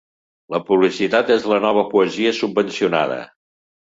La publicitat és la nova poesia subvencionada.